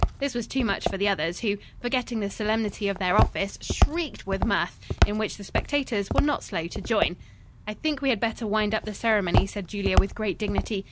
This was too much for the others, who, forgetting the solemnity of their office, shrieked with mirth, in which the spectators were not slow to join. "I think we had better wind up the ceremony," said Julia with great dignity.